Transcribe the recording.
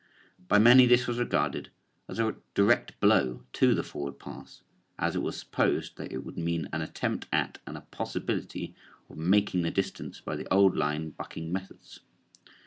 By many this was regarded as a direct blow to the forward pass as it was supposed that it would mean an attempt at and a possibility of making the distance by the old line bucking methods.